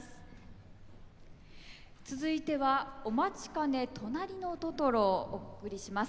続いてはお待ちかね「となりのトトロ」をお送りします。